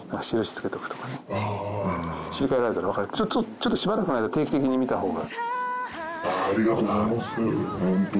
ちょっとしばらくの間定期的に見た方が。